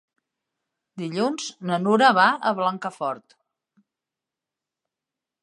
Dilluns na Nura va a Blancafort.